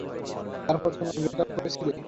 তারপর তোমরা ব্রেকাপ করেছিলে?